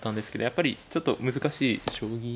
やっぱりちょっと難しい将棋